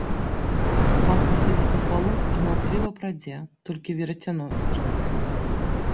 Матка сядзіць на палу і маўкліва прадзе, толькі верацяно трынкае.